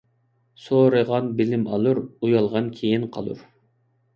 • سورىغان بىلىم ئالۇر، ئۇيالغان كېيىن قالۇر.